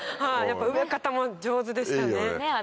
植え方も上手でしたね。